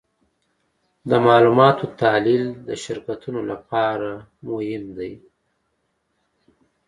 د معلوماتو تحلیل د شرکتونو لپاره مهم دی.